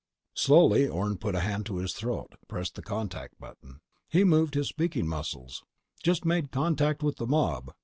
Slowly, Orne put a hand to his throat, pressed the contact button. He moved his speaking muscles: _"Just made contact with the mob.